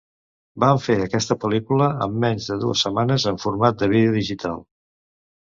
Va fer aquesta pel·lícula en menys de dues setmanes, en format de vídeo digital.